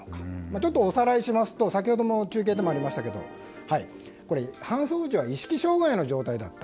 ちょっとおさらいしますと先ほどの中継でもありましたが搬送時は意識障害の状態だった。